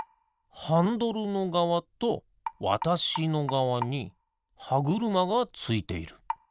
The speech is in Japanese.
ハンドルのがわとわたしのがわにはぐるまがついている。